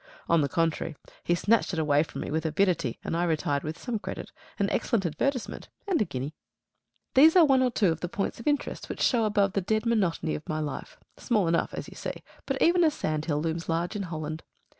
On the contrary, he snatched it away from me with avidity, and I retired with some credit, an excellent advertisement, and a guinea. These are one or two of the points of interest which show above the dead monotony of my life small enough, as you see, but even a sandhill looms large in Holland.